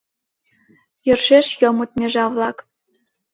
Йӧршеш йомыт межа-влак.